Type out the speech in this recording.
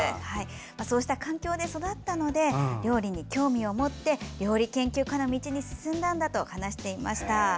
そうした環境で育ったので料理に興味を持って料理研究家の道に進んだんだと話していました。